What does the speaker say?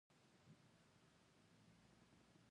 د مرئیانو خاوندانو یو منظم سازمان ته اړتیا درلوده.